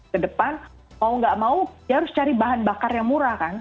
ke depan mau nggak mau ya harus cari bahan bakar yang murah kan